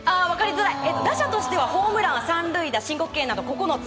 打者としてはホームラン、３塁打申告敬遠など９つ。